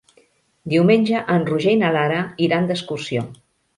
Diumenge en Roger i na Lara iran d'excursió.